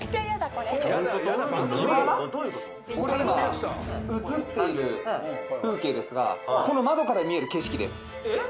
今映っている風景ですがこの窓から見える景色です。